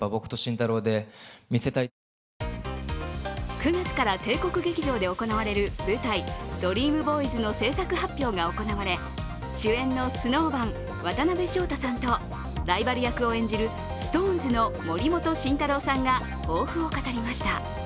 ９月から帝国劇場で行われる舞台「ＤＲＥＡＭＢＯＹＳ」の製作発表が行われ主演のＳｎｏｗＭａｎ、渡辺翔太さんとライバル役を演じるＳｉｘＴＯＮＥＳの森本慎太郎さんが、抱負を語りました。